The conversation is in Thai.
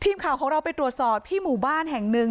ทีมข่าวของเราไปตรวจสอบที่หมู่บ้านแห่งหนึ่ง